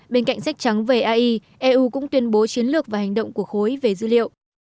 bên cạnh sách trắng về ai eu cũng tuyên bố chiến lược và hành động của khối về dữ liệu